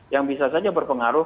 yang bisa saja berpengaruh